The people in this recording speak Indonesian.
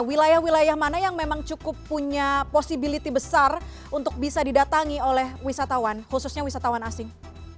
wilayah wilayah mana yang memang cukup punya possibility besar untuk bisa didatangi oleh wisatawan khususnya wisatawan asing